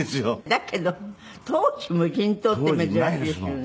だけど当時無人島って珍しいですよね。